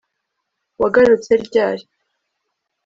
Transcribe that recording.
wagarutse ryari